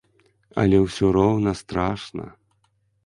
Але ўсё роўна страшна.